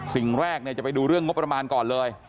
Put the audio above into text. สิ่งแรกจะไปดูเรื่องงบประมาณก่อนเลย